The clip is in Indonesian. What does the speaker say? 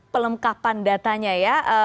pelengkapan datanya ya